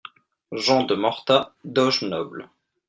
- Jean de Morta, doge noble.